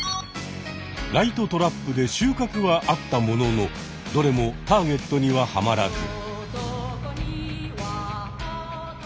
ライトトラップで収かくはあったもののどれもターゲットにはハマらず。